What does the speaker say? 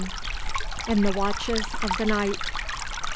IN THE WATCHES OF THE NIGHT.